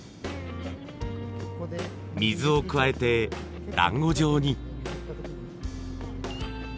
水を加えてだんご状に。